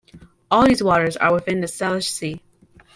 All these waters are within the Salish Sea.